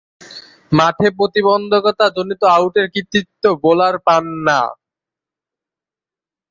মাঠে প্রতিবন্ধকতা জনিত আউটের কৃতিত্ব বোলার পান না।